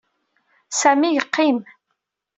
Sami yeqqim.